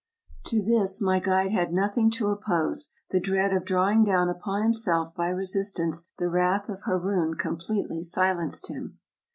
To this my guide had nothing to oppose ; the dread of draw ing down upon himself by resistance the wrath of Haroun completely silenced him.